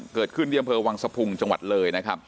เกิดขึ้นเรียงเผลอวังสภงจังหวัดเรย